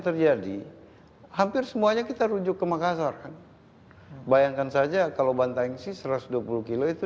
terjadi hampir semuanya kita rujuk ke makassar kan bayangkan saja kalau bantaing sih satu ratus dua puluh kilo itu